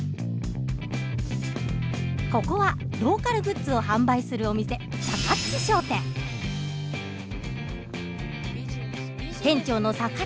ここはローカルグッズを販売するお店店長の「さかっち」